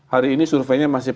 hari ini surveinya masih